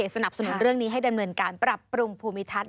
สนับสนุนเรื่องนี้ให้ดำเนินการปรับปรุงภูมิทัศน